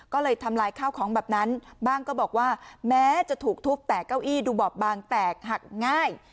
ก็เลยทำลายข้าวของแบบนั้นบ้างก็บอกว่าแม้จะถูกทุบแตกเก้าอี้ดูบอบบางแตกหักง่าย